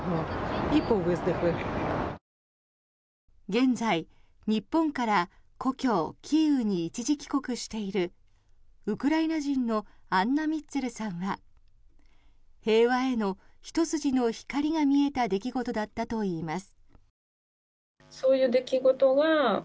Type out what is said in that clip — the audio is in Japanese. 現在、日本から故郷キーウに一時帰国しているウクライナ人のアンナ・ミッツェルさんは平和へのひと筋の光が見えた出来事だったといいます。